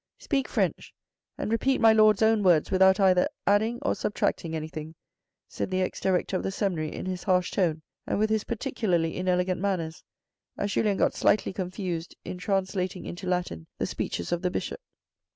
" Speak French, and repeat my Lord's own words without either adding or subtracting anything," said the ex Director of the seminary in his harsh tone, and with his particularly inelegant manners, as Julien got slightly confused in translating into Latin the speeches of the Bishop.